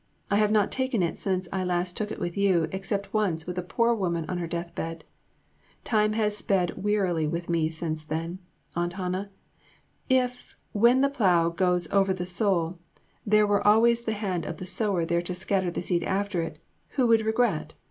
I have not taken it since I last took it with you, except once, with a poor woman on her death bed. Time has sped wearily with me since then, Aunt Hannah. If, when the plough goes over the soul, there were always the hand of the Sower there to scatter the seed after it, who would regret?